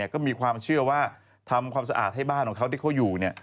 ก็มีความเชื่อว่าทำความสะอาดให้บ้านของเขาที่เขาอยู่